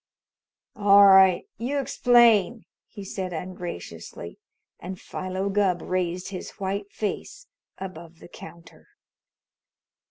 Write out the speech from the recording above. "All right, you explain," he said ungraciously, and Philo Gubb raised his white face above the counter.